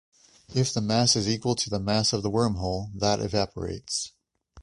If the mass is equal to the mass of the wormhole, that evaporates.